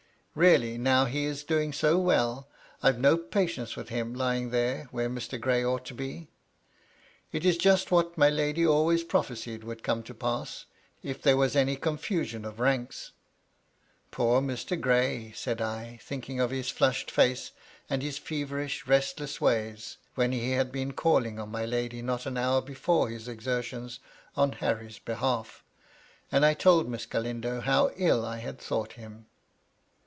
Really, now he is doing so well, I've no patience with him, lying there where Mr. Gray ought to ba It is just what my lady always prophesied would come to pass, if there was any confusion of ranks." " Poor Mr. Gray I" said I, thinking of his flushed fiuje, and his feverish, restless ways, when he had been calling on my lady not an hour before his exertions on Harry's behalf. And I told Miss Galindo how ill I had thought him.